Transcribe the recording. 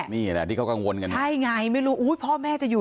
ใช่ไงไม่รู้พ่อแม่จะอยู่